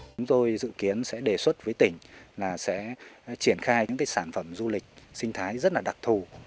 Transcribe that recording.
chúng tôi dự kiến sẽ đề xuất với tỉnh là sẽ triển khai những sản phẩm du lịch sinh thái rất là đặc thù